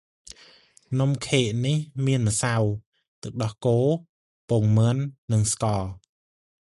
នំខេកនេះមានដាក់ម្សៅ ទឹកដោះគោ ពងមាន់ និង ស្ករ។